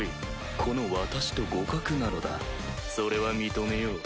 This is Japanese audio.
この私と互角なのだそれは認めよう。